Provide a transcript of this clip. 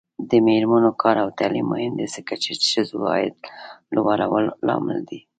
د میرمنو کار او تعلیم مهم دی ځکه چې ښځو عاید لوړولو لامل دی.